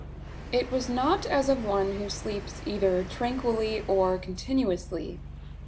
It was not as of one who sleeps either tranquilly, or continuously.